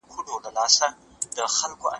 سياست د ټولنيزو علومو د ښاخ په توګه وده کړې.